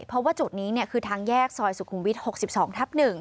เพราะว่าจุดนี้คือทางแยกซอยสุขุมวิทย์๖๒ทับ๑